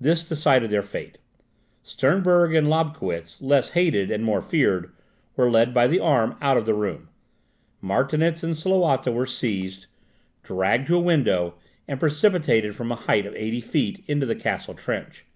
This decided their fate; Sternberg and Lobkowitz, less hated, and more feared, were led by the arm out of the room; Martinitz and Slawata were seized, dragged to a window, and precipitated from a height of eighty feet, into the castle trench.